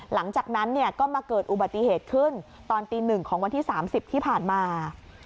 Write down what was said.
หลังจากนั้นก็มาเกิดอุบัติเหตุขึ้นตอนตี๑ของวันที่๓๐ที่ผ่านมา